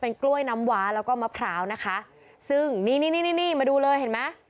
เป็นกล้วยน้ำหวานแล้วก็มะผลาวนะคะซึ่งนี่มาดูเลยเห็นไหม